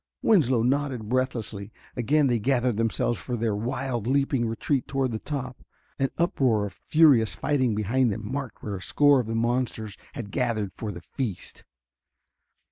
Winslow nodded breathlessly. Again they gathered themselves for their wild, leaping retreat toward the top. An uproar of furious fighting behind them marked where a score of the monsters had gathered for the feast.